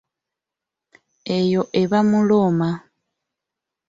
Eyo eba muloma.